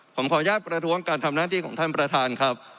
ผมขออนุญาตประท้วงการทำหน้าที่ของท่านประธานครับ